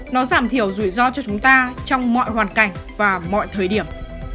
nó giảm thiểu rủi ro cho chúng ta trong mọi hoàn cảnh và mọi thời điểm